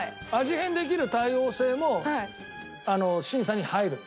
変できる対応性も審査に入る。